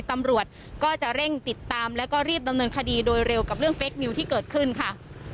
ตำรวจก็จะเร่งติดตามแล้วก็รีบดำเนินคดีโดยเร็วกับเรื่องเฟคนิวที่เกิดขึ้นค่ะ